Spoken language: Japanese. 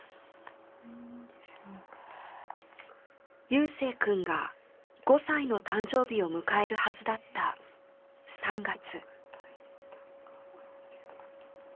夕青くんが５歳の誕生日を迎えるはずだった３月。